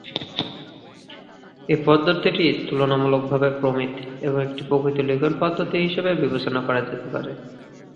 এই পদ্ধতিটি তুলনামূলকভাবে প্রমিত, এবং একটি প্রকৃত লিখন পদ্ধতি হিসাবে বিবেচনা করা যেতে পারে।